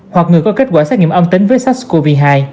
hoặc người có kết quả xét nghiệm âm tính với sars cov hai